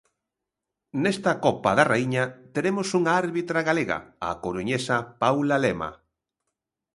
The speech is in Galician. Nesta Copa da Raíña teremos unha árbitra galega, a coruñesa Paula Lema.